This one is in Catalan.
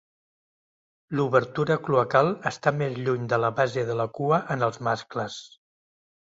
L'obertura cloacal està més lluny de la base de la cua en els mascles.